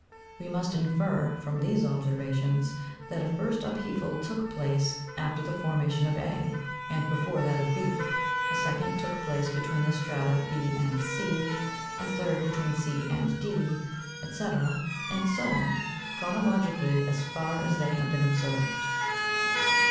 We must infer, from these observations, that a first upheaval took place after the formation of a, and before that of b; a second took place between the strata 6 and c, a third between c and d, &.C., and so on, chronologically, as far as they have been observed.